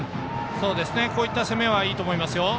こういった攻めはいいと思います。